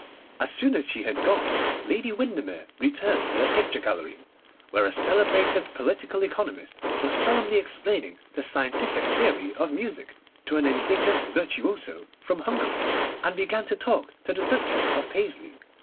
As soon as she had gone, Lady Windermere returned to the picture gallery, where a celebrated political economist was solemnly explaining the scientific theory of music to an indignant virtuoso from Hungary, and began to talk to the Duchess of Paisley.